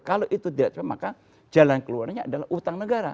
kalau itu tidak maka jalan keluarnya adalah utang negara